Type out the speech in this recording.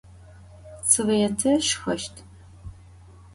Svête şşxeşt.